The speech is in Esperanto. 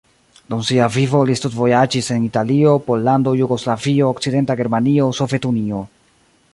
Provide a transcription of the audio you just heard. Dum sia vivo li studvojaĝis en Italio, Pollando, Jugoslavio, Okcidenta Germanio, Sovetunio.